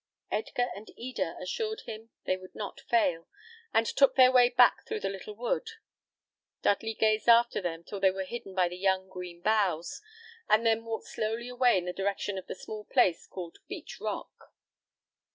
Edgar and Eda assured him they would not fail, and took their way back through the little wood. Dudley gazed after them till they were hidden by the young green boughs, and then walked slowly away in the direction of the small place called Beach Rock.